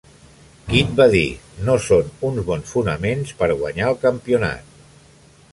Kidd va dir: no són uns bons fonaments per guanyar el campionat.